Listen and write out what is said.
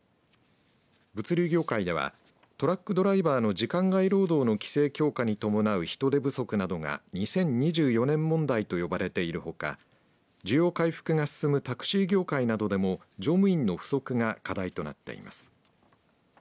物流業界ではトラックドライバーの時間外労働の規制強化に伴う人手不足などが２０２４年問題と呼ばれているほか需要回復が進むタクシー業界などでも乗務員の不足が課題となっています。